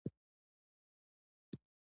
د بوی د حس د ورکیدو لپاره د پوزې معاینه وکړئ